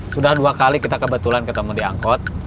sudah dua kali kita kebetulan ketemu di angkot